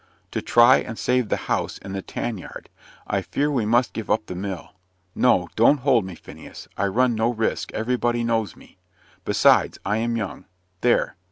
"To try and save the house and the tan yard I fear we must give up the mill. No, don't hold me, Phineas. I run no risk: everybody knows me. Besides, I am young. There!